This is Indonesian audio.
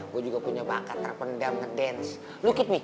gue juga punya bakat terpendam ngedance